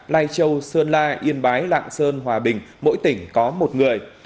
lai châu sơn la yên bái lạng sơn hòa bình mỗi tỉnh có một người